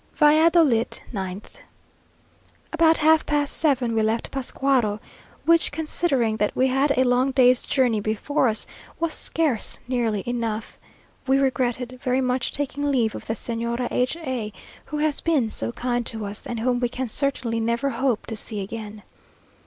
VALLADOLID, 9th. About half past seven we left Pascuaro, which, considering that we had a long day's journey before us, was scarce early enough. We regretted very much taking leave of the Señora H a, who has been so kind to us, and whom we can certainly never hope to see again.